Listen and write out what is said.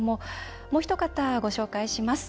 もうお一方、ご紹介します。